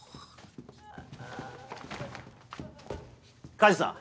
梶さん。